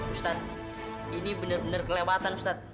ustadz ini bener bener kelewatan ustadz